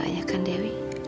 ya kan dewi